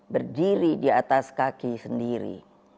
berdiri di atas kaki sendiri